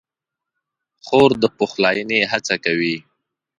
خور د پخلاینې هڅه کوي.